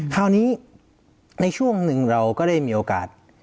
คราวนี้ในช่วงหนึ่งเราก็ได้มีโอกาส